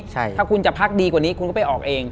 ถ้าคุณจะพักดีกว่านี้คุณก็ไปออกเอง